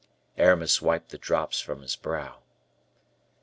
Aramis wiped the drops from his brow.